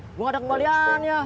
belum ada kembaliannya